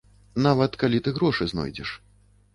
Нават калі ты грошы знойдзеш.